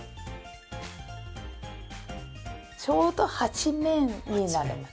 ちょうど８面になります。